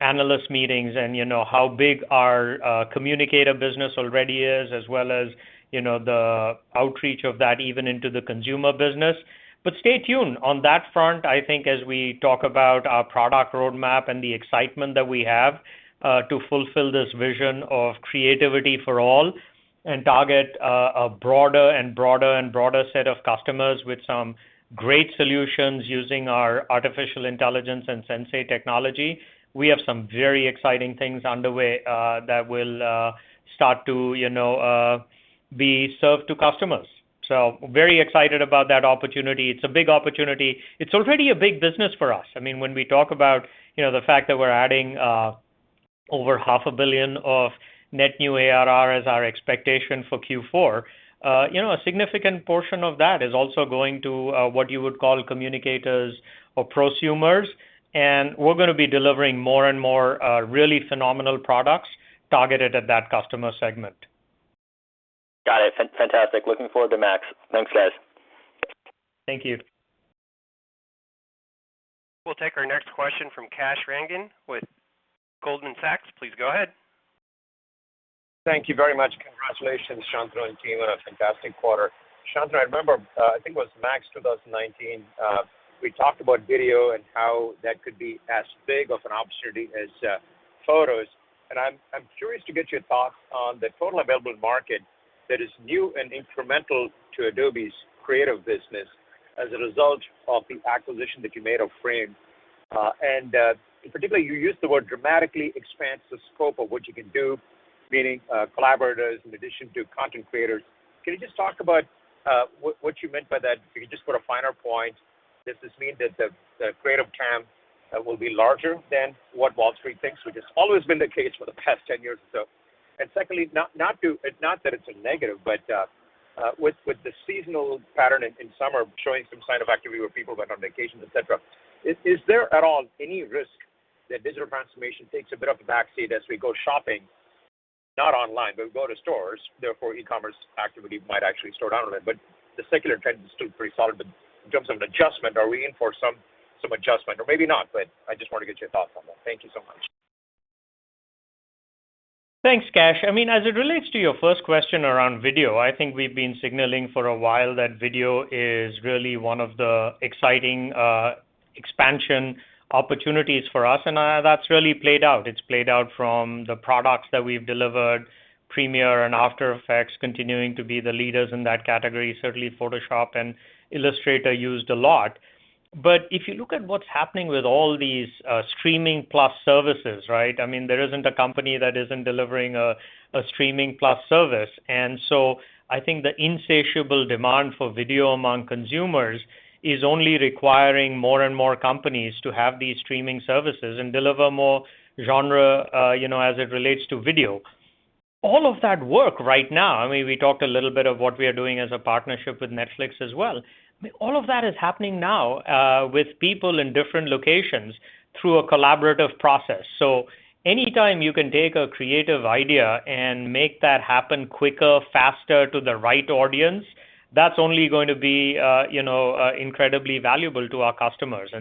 analyst meetings, and how big our Communicator business already is, as well as the outreach of that even into the consumer business. Stay tuned. On that front, I think as we talk about our product roadmap and the excitement that we have to fulfill this vision of Creativity for All and target a broader and broader set of customers with some great solutions using our artificial intelligence and Adobe Sensei technology. We have some very exciting things underway that will start to be served to customers. Very excited about that opportunity. It's a big opportunity. It's already a big business for us. When we talk about the fact that we're adding over $500 million of net new ARR as our expectation for Q4. A significant portion of that is also going to what you would call communicators or prosumers, and we're going to be delivering more and more really phenomenal products targeted at that customer segment. Got it. Fantastic. Looking forward to MAX. Thanks, guys. Thank you. We'll take our next question from Kash Rangan with Goldman Sachs. Please go ahead. Thank you very much. Congratulations, Shantanu and team, on a fantastic quarter. Shantanu, I remember, I think it was MAX 2019, we talked about video and how that could be as big of an opportunity as photos, and I'm curious to get your thoughts on the total available market that is new and incremental to Adobe's creative business as a result of the acquisition that you made of Frame. Particularly, you used the word dramatically expands the scope of what you can do, meaning collaborators in addition to content creators. Can you just talk about what you meant by that? If you could just put a finer point, does this mean that the creative TAM will be larger than what Wall Street thinks, which has always been the case for the past 10 years or so. Secondly, not that it's a negative, but with the seasonal pattern in summer showing some sign of activity where people went on vacations, et cetera? Is there at all any risk that digital transformation takes a bit of a back seat as we go shopping, not online, but we go to stores, therefore e-commerce activity might actually slow down a little bit. The secular trend is still pretty solid. In terms of an adjustment, are we in for some adjustment? Maybe not, but I just want to get your thoughts on that. Thank you so much. Thanks, Kash. As it relates to your first question around video, I think we've been signaling for a while that video is really one of the exciting expansion opportunities for us, and that's really played out. It's played out from the products that we've delivered, Premiere and After Effects continuing to be the leaders in that category. Certainly, Photoshop and Illustrator used a lot. If you look at what's happening with all these streaming+ services, right? There isn't a company that isn't delivering a streaming+ service. I think the insatiable demand for video among consumers is only requiring more and more companies to have these streaming services and deliver more genre, as it relates to video. All of that work right now, we talked a little bit of what we are doing as a partnership with Netflix as well. All of that is happening now, with people in different locations through a collaborative process. Anytime you can take a creative idea and make that happen quicker, faster to the right audience, that's only going to be incredibly valuable to our customers.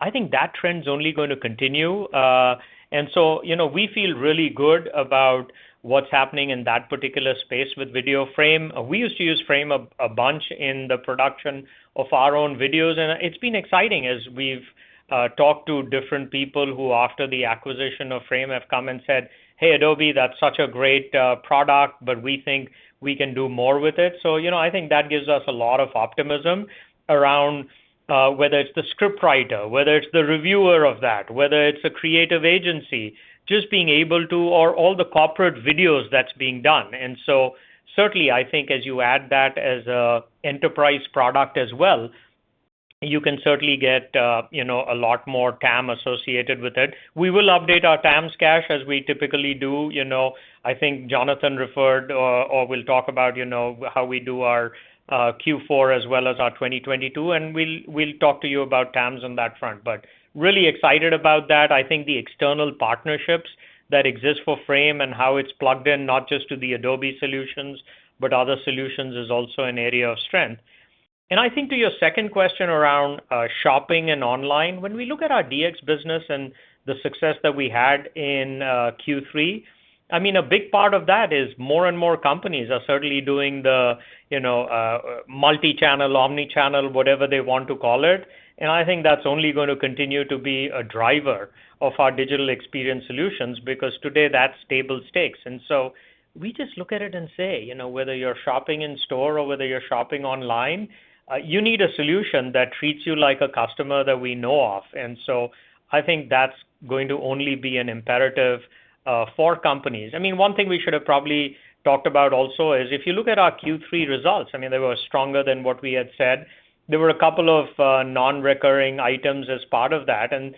I think that trend's only going to continue. We feel really good about what's happening in that particular space with video Frame. We used to use Frame a bunch in the production of our own videos, and it's been exciting as we've talked to different people who, after the acquisition of Frame, have come and said, "Hey, Adobe, that's such a great product, but we think we can do more with it." I think that gives us a lot of optimism around whether it's the scriptwriter, whether it's the reviewer of that, whether it's a creative agency, just being able to, or all the corporate videos that's being done. Certainly, I think as you add that as an enterprise product as well, you can certainly get a lot more TAM associated with it. We will update our TAMs, Kash, as we typically do. I think Jonathan referred or will talk about how we do our Q4 as well as our 2022, and we'll talk to you about TAMs on that front. Really excited about that. I think the external partnerships that exist for Frame and how it's plugged in, not just to the Adobe solutions, but other solutions, is also an area of strength. I think to your second question around shopping and online, when we look at our DX business and the success that we had in Q3, a big part of that is more and more companies are certainly doing the multi-channel, omnichannel, whatever they want to call it. I think that's only going to continue to be a driver of our digital experience solutions, because today that's table stakes. We just look at it and say, whether you're shopping in-store or whether you're shopping online, you need a solution that treats you like a customer that we know of. I think that's going to only be an imperative for companies. One thing we should have probably talked about also is if you look at our Q3 results, they were stronger than what we had said. There were a couple of non-recurring items as part of that, and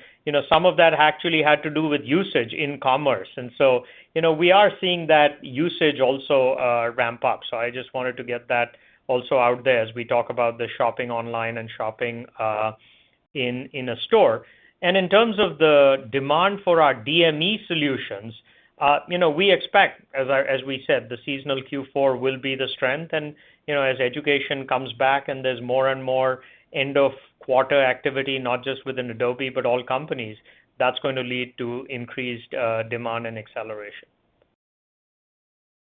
some of that actually had to do with usage in commerce. We are seeing that usage also ramp up. I just wanted to get that also out there as we talk about the shopping online and shopping in a store. In terms of the demand for our DME solutions, we expect, as we said, the seasonal Q4 will be the strength. As education comes back and there's more and more end-of-quarter activity, not just within Adobe, but all companies, that's going to lead to increased demand and acceleration.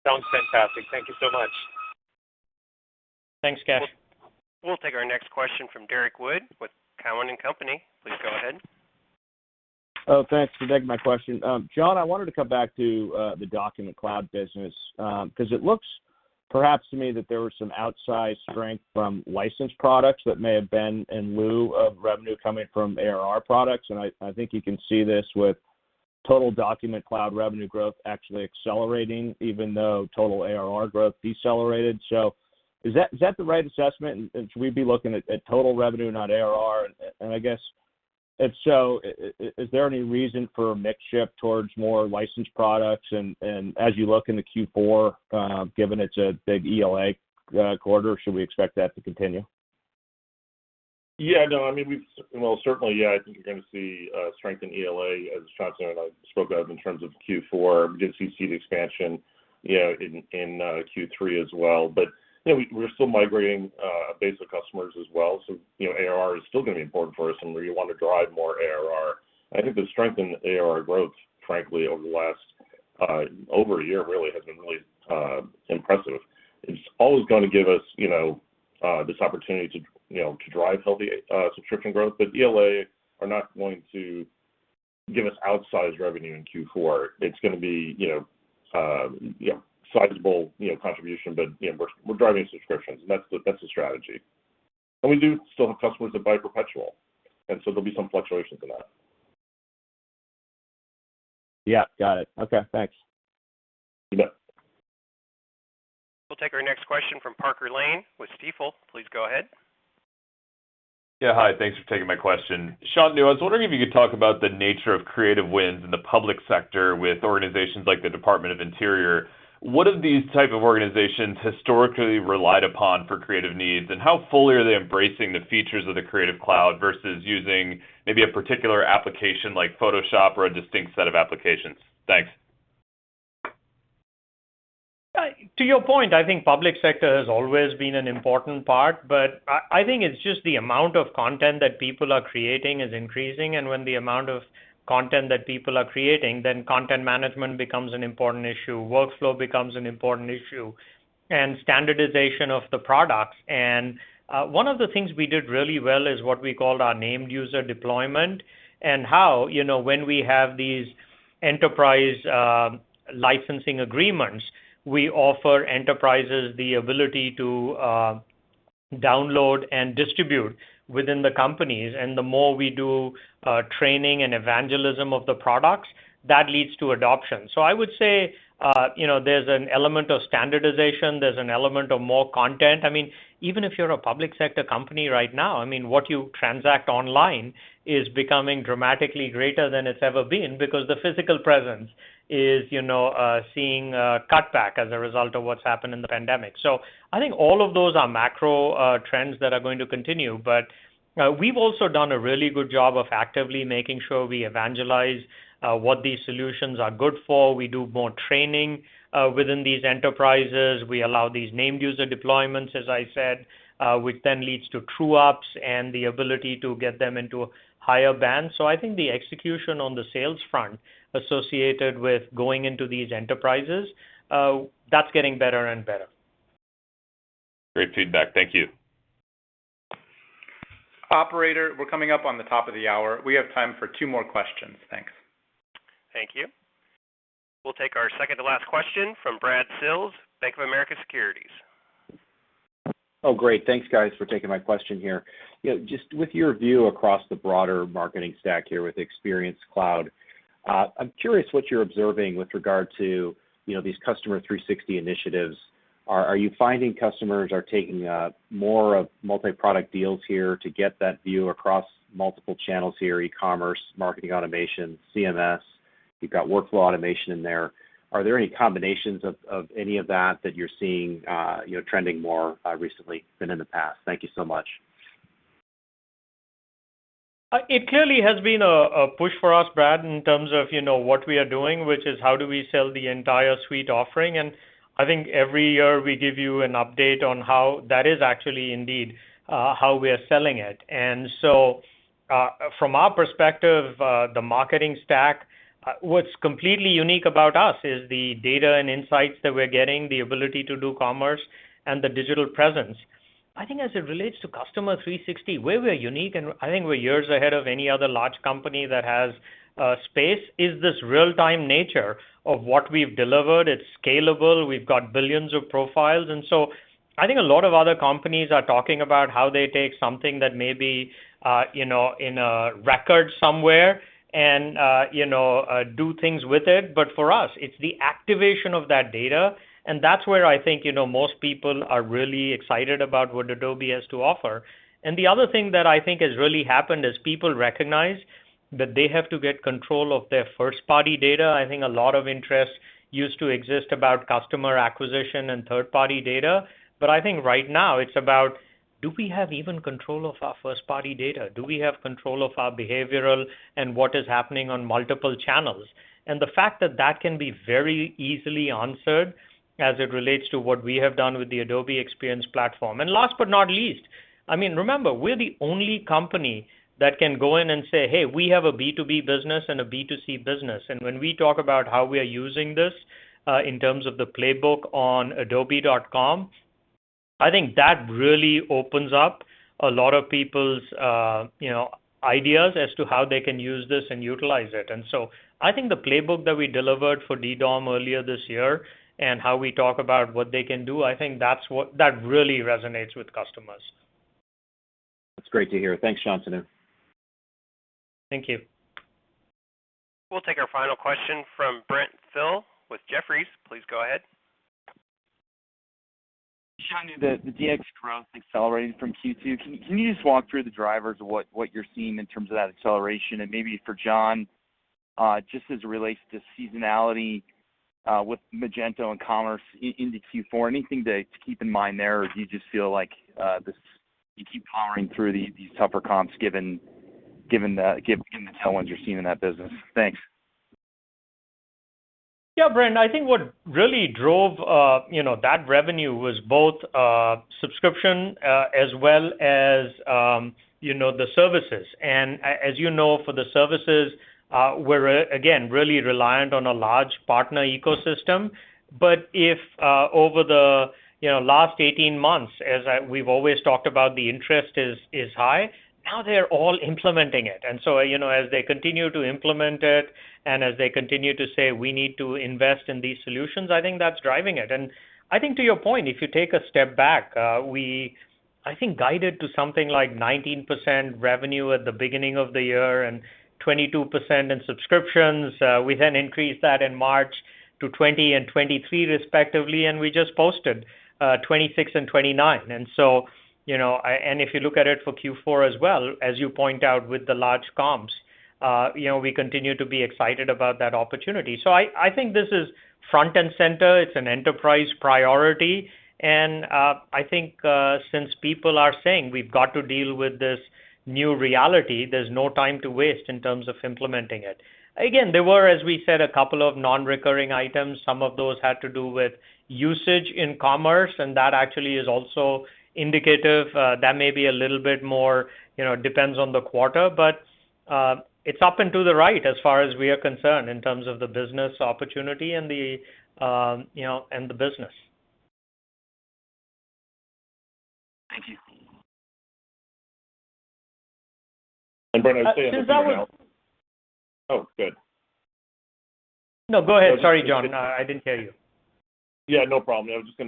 Fantastic. Thank you so much. Thanks, Kash. We'll take our next question from Derrick Wood with Cowen and Company. Please go ahead. Oh, thanks for taking my question. John, I wanted to come back to the Document Cloud business, because it looks perhaps to me that there was some outsized strength from licensed products that may have been in lieu of revenue coming from ARR products. I think you can see this with total Document Cloud revenue growth actually accelerating even though total ARR growth decelerated. Is that the right assessment? Should we be looking at total revenue, not ARR? I guess if so, is there any reason for a mix shift towards more licensed products? As you look into Q4, given it's a big ELA quarter, should we expect that to continue? Yeah, no, certainly, I think you're going to see strength in ELA, as Shantanu Narayen and I spoke of in terms of Q4 because you see the expansion in Q3 as well. We're still migrating a base of customers as well, so ARR is still going to be important for us and where you want to drive more ARR. I think the strength in ARR growth, frankly, over a year really has been really impressive. It's always going to give us this opportunity to drive healthy subscription growth. ELA are not going to give us outsized revenue in Q4. It's going to be a sizable contribution, but we're driving subscriptions, and that's the strategy. We do still have customers that buy perpetual, so there'll be some fluctuations in that. Yeah, got it. Okay, thanks. You bet. We'll take our next question from Parker Lane with Stifel. Please go ahead. Yeah, hi. Thanks for taking my question. Shantanu, I was wondering if you could talk about the nature of creative wins in the public sector with organizations like the U.S. Department of the Interior. What have these type of organizations historically relied upon for creative needs, and how fully are they embracing the features of the Creative Cloud versus using maybe a particular application like Photoshop or a distinct set of applications? Thanks. To your point, I think public sector has always been an important part, I think it's just the amount of content that people are creating is increasing. When the amount of content that people are creating, content management becomes an important issue, workflow becomes an important issue, and standardization of the products. One of the things we did really well is what we called our named user deployment, and how when we have these enterprise licensing agreements, we offer enterprises the ability to download and distribute within the companies. The more we do training and evangelism of the products, that leads to adoption. I would say there's an element of standardization, there's an element of more content. Even if you're a public sector company right now, what you transact online is becoming dramatically greater than it's ever been because the physical presence is seeing a cutback as a result of what's happened in the pandemic. I think all of those are macro trends that are going to continue, but we've also done a really good job of actively making sure we evangelize what these solutions are good for. We do more training within these enterprises. We allow these named user deployments, as I said, which then leads to true-ups and the ability to get them into higher bands. I think the execution on the sales front associated with going into these enterprises, that's getting better and better. Great feedback. Thank you. Operator, we're coming up on the top of the hour. We have time for two more questions. Thanks. Thank you. We'll take our 2nd to last question from Brad Sills, Bank of America Securities. Great. Thanks, guys, for taking my question here. Just with your view across the broader marketing stack here with Adobe Experience Cloud, I'm curious what you're observing with regard to these Customer 360 initiatives. Are you finding customers are taking more of multi-product deals here to get that view across multiple channels here, e-commerce, marketing automation, CMS? You've got workflow automation in there. Are there any combinations of any of that that you're seeing trending more recently than in the past? Thank you so much. It clearly has been a push for us, Brad, in terms of what we are doing, which is how do we sell the entire suite offering. I think every year we give you an update on how that is actually indeed how we are selling it. From our perspective, the marketing stack, what's completely unique about us is the data and insights that we're getting, the ability to do commerce, and the digital presence. I think as it relates to Customer 360, where we're unique, and I think we're years ahead of any other large company that has space, is this real-time nature of what we've delivered. It's scalable. We've got billions of profiles. I think a lot of other companies are talking about how they take something that may be in a record somewhere and do things with it. For us, it's the activation of that data, and that's where I think most people are really excited about what Adobe has to offer. The other thing that I think has really happened is people recognize that they have to get control of their first-party data. I think a lot of interest used to exist about customer acquisition and third-party data. I think right now it's about do we have even control of our first-party data? Do we have control of our behavioral and what is happening on multiple channels? The fact that that can be very easily answered as it relates to what we have done with the Adobe Experience Platform. Last but not least, remember, we're the only company that can go in and say, "Hey, we have a B2B business and a B2C business." When we talk about how we are using this in terms of the playbook on adobe.com. I think that really opens up a lot of people's ideas as to how they can use this and utilize it. I think the playbook that we delivered for DDOM earlier this year and how we talk about what they can do, I think that really resonates with customers. That's great to hear. Thanks, Shantanu. Thank you. We'll take our final question from Brent Thill with Jefferies. Please go ahead. Shantanu, the DX growth accelerating from Q2, can you just walk through the drivers of what you're seeing in terms of that acceleration? Maybe for John, just as it relates to seasonality with Magento and commerce into Q4, anything to keep in mind there, or do you just feel like you keep powering through these tougher comps, given the tailwinds you're seeing in that business? Thanks. Yeah, Brent, I think what really drove that revenue was both subscription as well as the services. As you know, for the services, we're again, really reliant on a large partner ecosystem. If over the last 18 months, as we've always talked about, the interest is high, now they're all implementing it. As they continue to implement it and as they continue to say, "We need to invest in these solutions," I think that's driving it. I think to your point, if you take a step back, we, I think, guided to something like 19% revenue at the beginning of the year and 22% in subscriptions. We then increased that in March to 20% and 23% respectively, and we just posted 26% and 29%. If you look at it for Q4 as well, as you point out with the large comps, we continue to be excited about that opportunity. I think this is front and center, it's an enterprise priority, and I think since people are saying we've got to deal with this new reality, there's no time to waste in terms of implementing it. Again, there were, as we said, a couple of non-recurring items. Some of those had to do with usage in commerce, and that actually is also indicative. That may be a little bit more, depends on the quarter, but it's up and to the right as far as we are concerned in terms of the business opportunity and the business. Thank you. Brent, I'd say- No, go ahead. Sorry, John. I didn't hear you. Yeah, no problem. Just to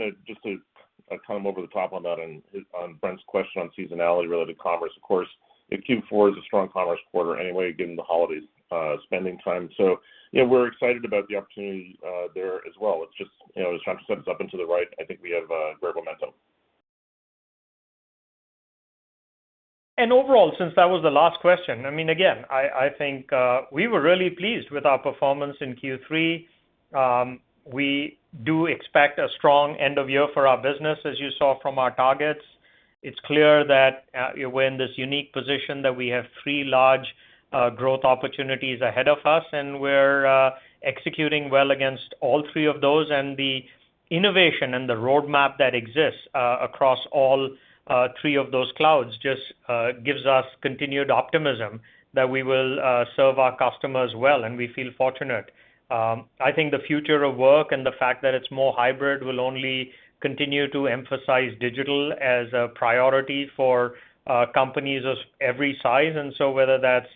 kind of over the top on that and on Brent's question on seasonality related to commerce, of course, Q4 is a strong commerce quarter anyway, given the holiday spending time. Yeah, we're excited about the opportunity there as well. As Shantanu said, it's up and to the right. I think we have great momentum. Overall, since that was the last question, again, I think we were really pleased with our performance in Q3. We do expect a strong end of year for our business, as you saw from our targets. It's clear that we're in this unique position that we have three large growth opportunities ahead of us, and we're executing well against all three of those. The innovation and the roadmap that exists across all three of those clouds just gives us continued optimism that we will serve our customers well, and we feel fortunate. I think the future of work and the fact that it's more hybrid will only continue to emphasize digital as a priority for companies of every size. Whether that's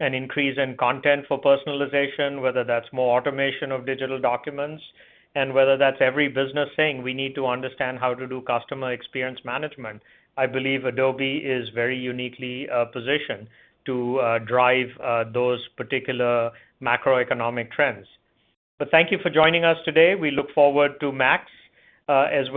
an increase in content for personalization, whether that's more automation of digital documents, and whether that's every business saying we need to understand how to do customer experience management, I believe Adobe is very uniquely positioned to drive those particular macroeconomic trends. Thank you for joining us today. We look forward to MAX as well.